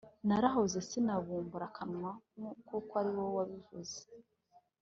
Narahoze sinabumbura akanwa Kuko ari wowe wabivuze